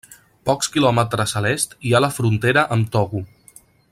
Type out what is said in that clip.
Pocs quilòmetres a l'est hi ha la frontera amb Togo.